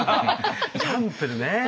チャンプルーね。